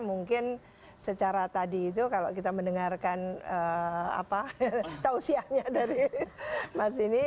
mungkin secara tadi itu kalau kita mendengarkan tausiahnya dari mas ini